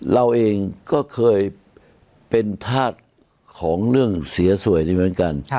เราเองก็เคยเป็นธาตุของเรื่องเสียสวยนี่เหมือนกัน